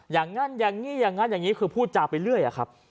อย่างนั้นอย่างนี้อย่างนั้นอย่างนี้คือพูดจาไปเรื่อยอะครับ